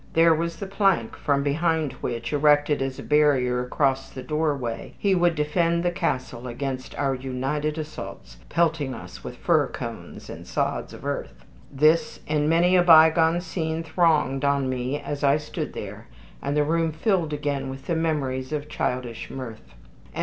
There was the plank from behind which, erected as a barrier across the doorway, he would defend the castle against our united assault, pelting us with fir cones and sods of earth. This and many a bygone scene thronged on me as I stood there, and the room filled again with the memories of childish mirth.